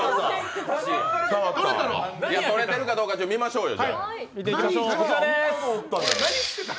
撮れてるかどうか見ましょうよ。